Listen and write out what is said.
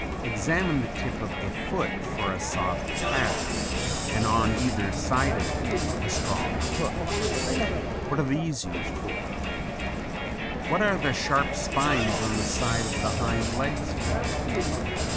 Examine the tip of the foot for a soft pad and on either side of it a strong hook. What are these used for? What are the sharp spines on the side of the hind legs for?